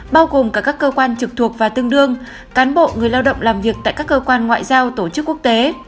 bao gồm cả các cơ quan trực thuộc và tương đương cán bộ người lao động làm việc tại các cơ quan ngoại giao tổ chức quốc tế